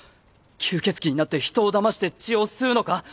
吸血鬼になって人をだまして血を吸うのか？